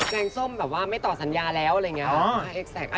งส้มแบบว่าไม่ต่อสัญญาแล้วอะไรอย่างนี้